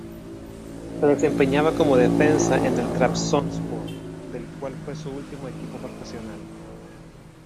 Se desempeñaba como defensa en el Trabzonspor del cual fue su ultimo equipo profesional.